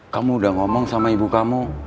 kamu udah ngomong sama ibu kamu